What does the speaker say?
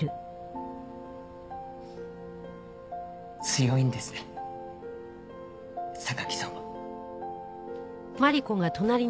強いんですね榊さんは。